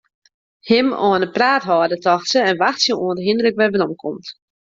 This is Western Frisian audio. Him oan 'e praat hâlde, tocht se, en wachtsje oant Hindrik weromkomt.